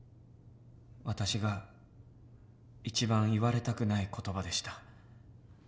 私が一番言われたくない言葉でした。